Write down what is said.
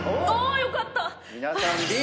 よかった。